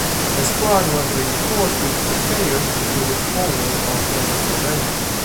The squad was reinforced with few players included forward Alfredo Moreno.